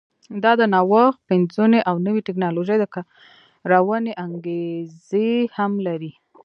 دا د نوښت، پنځونې او نوې ټکنالوژۍ د کارونې انګېزې هم لري.